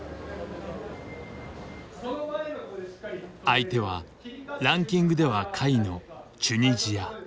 相手はランキングでは下位のチュニジア。